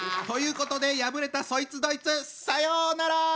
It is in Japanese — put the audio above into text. ということで敗れたそいつどいつさようなら！